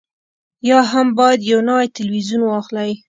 یا هم باید یو نوی تلویزیون واخلئ